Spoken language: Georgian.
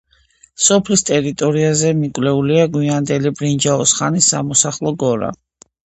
სოფლის ტერიტორიაზე მიკვლეულია გვიანდელი ბრინჯაოს ხანის სამოსახლო გორა.